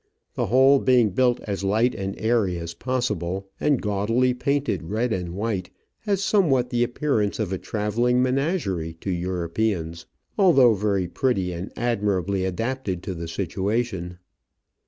The whole being built as light and airy as possible, and gaudily painted red and white, has somewhat the appearance of a travelling menagerie to Europeans, although very pretty and admirably adapted to the situation.